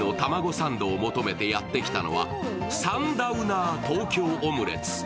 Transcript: サンドを求めてやってきたのはサンダウナートトーキョーオムレツ。